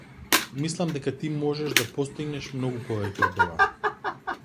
Мислам дека ти можеш да постигнеш многу повеќе од ова.